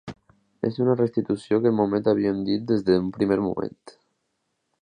És una restitució, que és el que havíem dit des d’un primer moment.